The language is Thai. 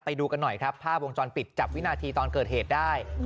ไปดูกันหน่อยครับภาพวงจรปิดจับวินาทีตอนเกิดเหตุได้